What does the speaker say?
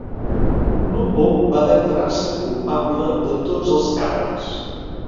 Lupo va declarar-se culpable de tots els càrrecs.